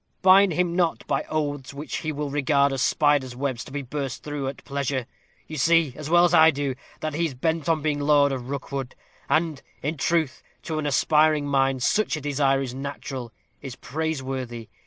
Bind him not by oaths which he will regard as spiders' webs, to be burst through at pleasure. You see, as well as I do, that he is bent on being lord of Rookwood; and, in truth, to an aspiring mind, such a desire is natural, is praiseworthy.